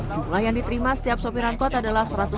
jumlah yang diterima setiap sopir angkot adalah